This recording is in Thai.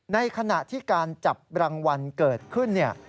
ในขณะที่การจับรางวัลเกิดขึ้นเนี่ย